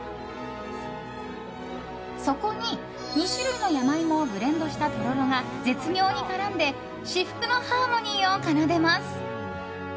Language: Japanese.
そこに２種類の山芋をブレンドしたとろろが絶妙に絡んで至福のハーモニーを奏でます。